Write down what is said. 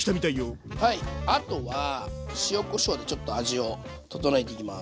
あとは塩・こしょうでちょっと味を調えていきます。